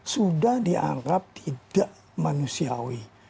sudah dianggap tidak manusiawi